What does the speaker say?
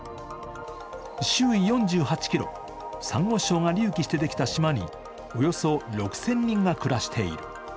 周囲４８ｋｍ、さんご礁が隆起してできた島におよそ６０００人が暮らしている。